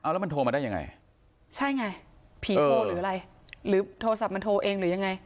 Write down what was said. แล้วมันโทรมาได้ยังไงใช่ไงผีโทรหรืออะไรหรือโทรศัพท์มันโทรเองหรือยังไง